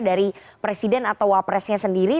dari presiden atau ruapres nya sendiri